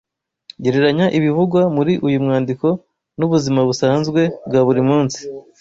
Gereranya ibivugwa muri uyu mwandiko n’ubuzima busanzwe bwa buri munsi